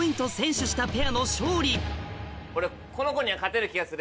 俺この子には勝てる気がする。